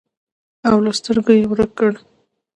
او له سترګو یې ورک کړ.